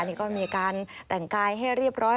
นี่ก็มีการแต่งกายให้เรียบร้อย